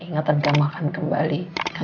ingatan kamu akan kembali